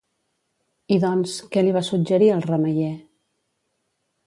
I doncs, què li va suggerir el remeier?